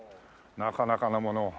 なかなかのものを。